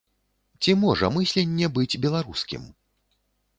Ці можа мысленне быць беларускім?